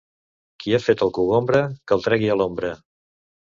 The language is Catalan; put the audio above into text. Qui ha fet el cogombre, que el tregui a l'ombra.